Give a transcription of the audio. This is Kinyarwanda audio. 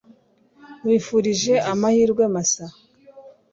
Nkwifurije amahirwe masa